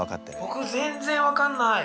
僕全然分かんない。